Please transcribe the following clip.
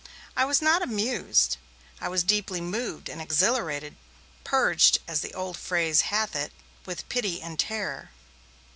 I was not amused I was deeply moved and exhilarated, 'purged', as the old phrase hath it, 'with pity and terror'.